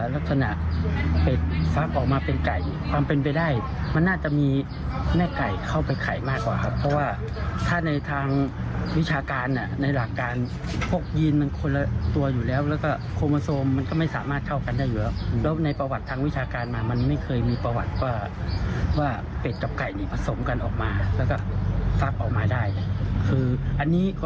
ลักษณะเป็ดฟับออกมาเป็นไก่ความเป็นไปได้มันน่าจะมีแม่ไก่เข้าไปไข่มากกว่าครับเพราะว่าถ้าในทางวิชาการในหลักการพวกยีนมันคนละตัวอยู่แล้วแล้วก็โคโมโซมมันก็ไม่สามารถเข้ากันได้อยู่แล้วแล้วในประวัติทางวิชาการมามันไม่เคยมีประวัติว่าเป็ดกับไก่นี่ผสมกันออกมาแล้วก็ฟักออกมาได้คืออันนี้ก็